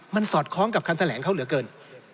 มันสอดคล้องกับคำแถลงเขาเหลือเกิน